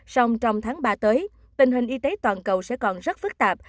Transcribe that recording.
song trong tháng ba tới tình hình y tế toàn cầu sẽ còn rất phức tạp